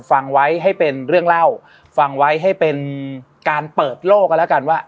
ฟังไว้ให้เป็นเรื่องเล่าฟังไว้ให้เป็นการเปิดโลกกันแล้วกันว่า